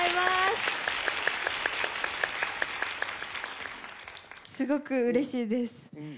すごくうれしいです。